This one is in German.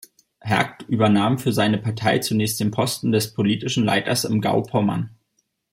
Hergt übernahm für seine Partei zunächst den Posten des politischen Leiters im Gau Pommern.